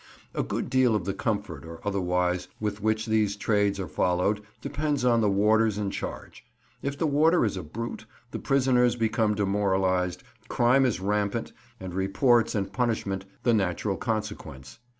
A good deal of the comfort or otherwise with which these trades are followed depends on the warders in charge. If the warder is a brute, the prisoners become demoralized, crime is rampant, and reports and punishment the natural consequence.